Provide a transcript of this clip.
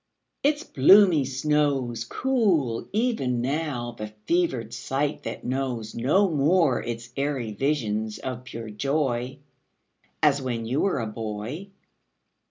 Its bloomy snows Cool even now the fevered sight that knows No more its airy visions of pure joy As when you were a boy.